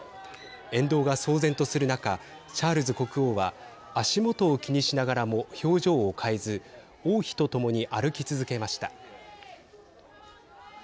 沿道が騒然とする中チャールズ国王は足元を気にしながらも表情を変えず王妃と共に歩き続けました。